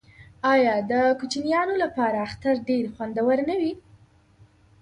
آیا د کوچنیانو لپاره اختر ډیر خوندور نه وي؟